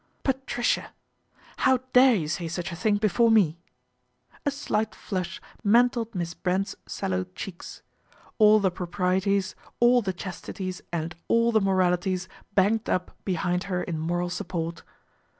" Patricia, how dare you say such a thing before me/' A slight flush mantled Miss Brent's sallow cheeks. All the proprieties, all the chastities and all the moralities banked up behind her in moral support.